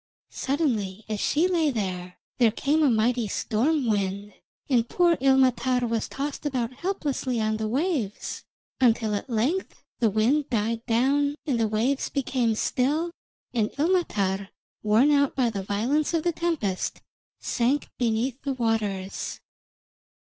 Suddenly, as she lay there, there came a mighty storm wind, and poor Ilmatar was tossed about helplessly on the waves, until at length the wind died down and the waves became still, and Ilmatar, worn out by the violence of the tempest, sank beneath the waters.